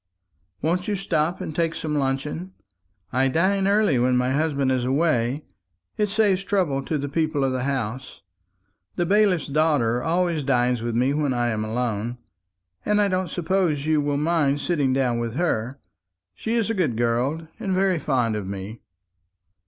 "Won't you stop and take some luncheon? I dine early when my husband is away; it saves trouble to the people of the house. The bailiff's daughter always dines with me when I am alone; but I don't suppose you will mind sitting down with her. She is a good girl, and very fond of me."